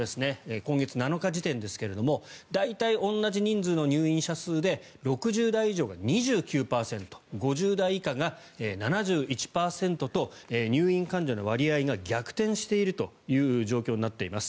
今月７日時点ですが大体同じ人数の入院者数で６０代以上が２９％５０代以下が７１％と入院患者の割合が逆転しているという状況になっています。